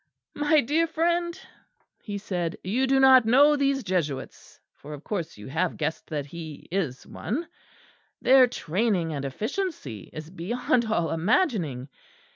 "My dear friend," he said, "you do not know these Jesuits (for of course you have guessed that he is one); their training and efficiency is beyond all imagining.